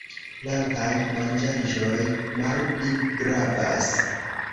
Plantaj manĝaĵoj malpli gravas.